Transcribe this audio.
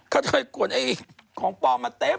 ก่อนเคยกรวมไอ้ของปลอบมาเต็ม